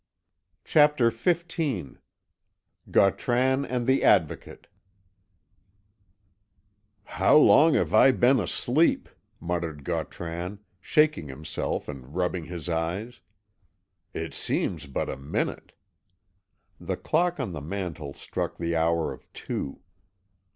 CHAPTER XV GAUTRAN AND THE ADVOCATE "How long have I been asleep?" muttered Gautran, shaking himself and rubbing his eyes. "It seems but a minute." The clock on the mantel struck the hour of two.